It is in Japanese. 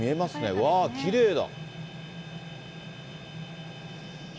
うわー、きれいだ。